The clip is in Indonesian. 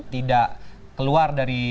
tidak keluar dari